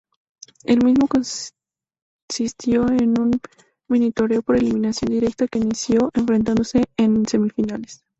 El mismo consistió en un minitorneo por eliminación directa que inició enfrentándose en semifinales.